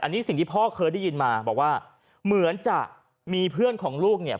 อันนี้สิ่งที่พ่อเคยได้ยินมาบอกว่าเหมือนจะมีเพื่อนของลูกเนี่ย